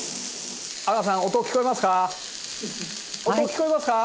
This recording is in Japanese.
阿川さん音聞こえますか？